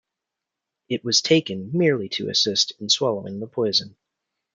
It was taken merely to assist in swallowing the poison.